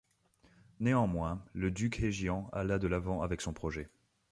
Néanmoins le duc Heijian alla de l'avant avec son projet.